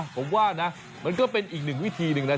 ผมว่านะมันก็เป็นอีกหนึ่งวิธีหนึ่งนะ